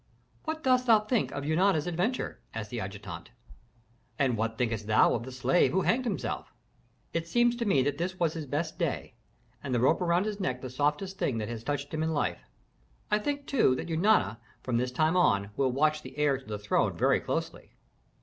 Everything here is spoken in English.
"What dost thou think of Eunana's adventure?" asked the adjutant. "And what thinkest thou of the slave who hanged himself?" "It seems to me that this was his best day, and the rope around his neck the softest thing that has touched him in life. I think, too, that Eunana from this time on will watch the heir to the throne very closely."